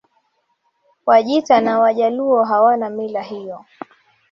Wajita na Wajaluo hawana mila hiyo